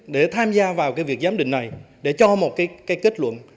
để tham gia vào cái việc giám định này để cho một cái kết luận